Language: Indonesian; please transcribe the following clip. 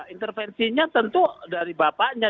intervensinya tentu dari bapaknya